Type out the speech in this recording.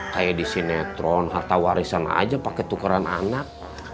kayak di sinetron harta warisan aja pake tukeran anak